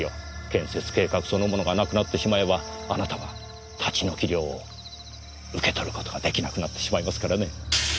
建設計画そのものがなくなってしまえばあなたは立ち退き料を受け取ることが出来なくなってしまいますからね。